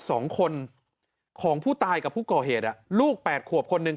สองคนของผู้ตายกับผู้ก่อเหตุอ่ะลูกแปดขวบคนหนึ่ง